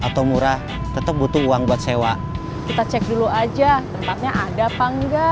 terima kasih ya